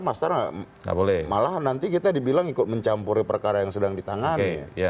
master malah nanti kita dibilang ikut mencampuri perkara yang sedang ditangani